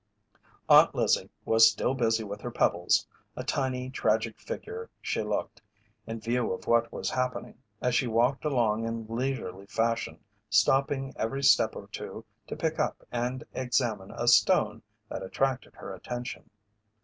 Aunt Lizzie was still busy with her pebbles, a tiny, tragic figure she looked, in view of what was happening, as she walked along in leisurely fashion, stopping every step or two to pick up and examine a stone that attracted her attention.